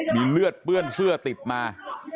มีเลือดเปื้อนเสื้อติดมา